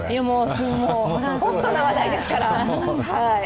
ホットな話題ですから。